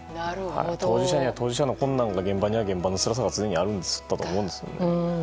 当事者には当事者の困難が現場には現場のつらさが常にあるんだと思うんですよね。